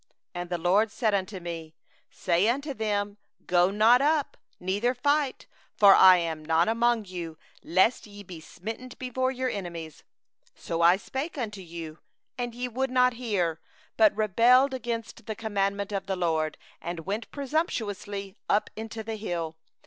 42And the LORD said unto me: 'Say unto them: Go not up, neither fight; for I am not among you; lest ye be smitten before your enemies.' 43So I spoke unto you, and ye hearkened not; but ye rebelled against the commandment of the LORD, and were presumptuous, and went up into the hill country.